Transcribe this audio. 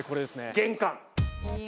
玄関！